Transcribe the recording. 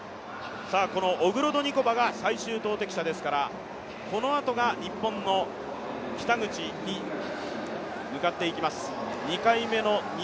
オグロドニコバが最終投てき者ですから、このあとが日本の北口に向かっていきます。